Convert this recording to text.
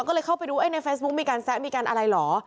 ก็เลยเข้าไปดูในเฟซบุ๊คมีการแซะมีการอะไรเหรอ